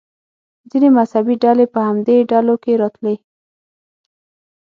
ځینې مذهبي ډلې په همدې ډلو کې راتلې.